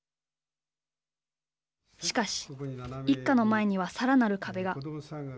しかし一家の前にはさらなる壁が。